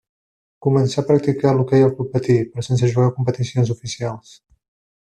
Començà a practicar l'hoquei al Club Patí, però sense jugar competicions oficials.